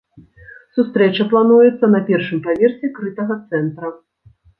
Сустрэча плануецца на першым паверсе крытага цэнтра.